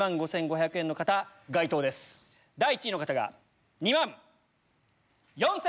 第１位の方が２万４千。